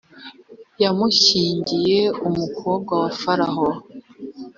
yamushyiriye umukobwa wa farawo